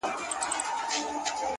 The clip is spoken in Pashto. اخلاص عمل ته ارزښت ورکوي